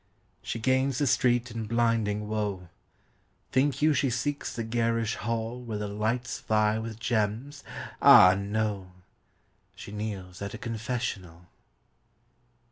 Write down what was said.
She gains the street in blinding woe : Think you she seeks the garish hall Where the lights vie with gems ? ah no ! She kneels at a confessional.